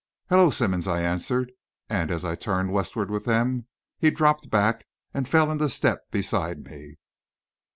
"Hello, Simmonds," I answered, and, as I turned westward with them, he dropped back and; fell into step beside me.